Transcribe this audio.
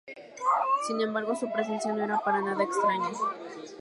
Sin embargo, su presencia no era para nada extraña.